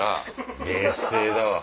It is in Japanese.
冷静だわ。